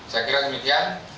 saya kira demikian